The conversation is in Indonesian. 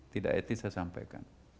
tidak etis saya sampaikan